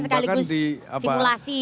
kan sekaligus simulasi katanya tadi